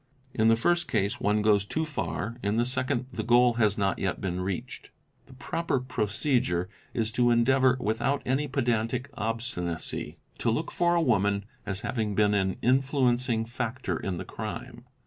In the 'first case one goes too far, in the second the goal has not yet been reached. The proper procedure is to endeavour, without any pedantic obstinacy, 14 THE INVESTIGATING OFFICER to look for a woman as having been an influencing factor in the crime.